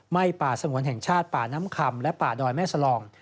ป่าสงวนแห่งชาติป่าน้ำคำและป่าดอยแม่สลอง